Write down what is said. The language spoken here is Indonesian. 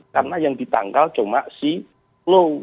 karena yang ditangkal cuma si low